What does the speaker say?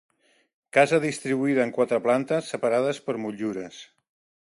Casa distribuïda en quatre plantes separades per motllures.